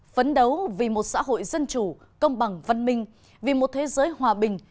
phấn đấu vì một xã hội dân chủ công bằng văn minh vì một thế giới hòa bình